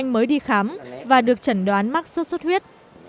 mới đi khám và được chẩn đoán mắc sốt xuất huyết